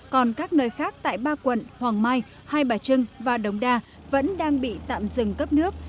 còn các nơi khác tại ba quận hoàng mai hai bà trưng và đống đa vẫn đang bị tạm dừng cấp nước